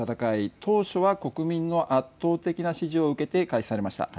当初は国民の圧倒的な支持を受けて開始されました。